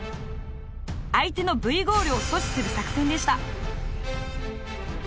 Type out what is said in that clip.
相手のＶゴールを阻止する作戦でした。